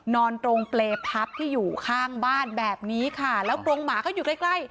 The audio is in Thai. นอนตรงเปรย์พับที่อยู่ข้างบ้านแบบนี้ค่ะแล้วกรงหมาก็อยู่ใกล้ใกล้